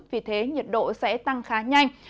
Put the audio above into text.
vì thế nhiệt độ sẽ tăng khá nhanh